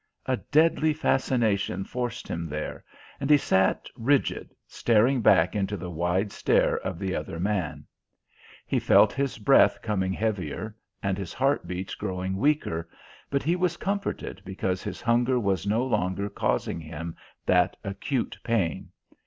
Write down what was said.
A deadly fascination forced him there, and he sat rigid, staring back into the wide stare of the other man. He felt his breath coming heavier and his heart beats growing weaker, but he was comforted because his hunger was no longer causing him that acute pain.